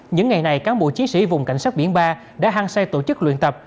những ngày này cán bộ chiến sĩ vùng cảnh sát biển ba đã hăng say tổ chức luyện tập